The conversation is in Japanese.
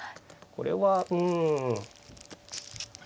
これはうん。